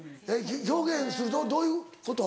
表現するとどういうこと？